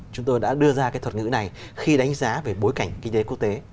chúng tôi đã đưa ra cái thuật ngữ này khi đánh giá về bối cảnh kinh tế quốc tế